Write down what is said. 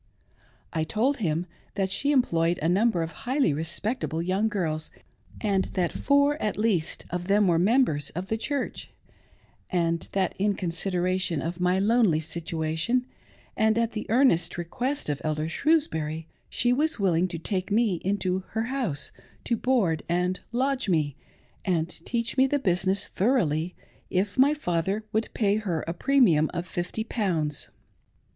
I told him that she em ployed a number of highly respectable young girls, and that four, at least, of them were members of the Church, and that in consideration of my lonely situation, and at the earnest request of Elder Shrewsbury, she was willing to take me into her house to board and lodge me, and teach me the business thoroughly, if my father would pay her a premium of fifty pounds.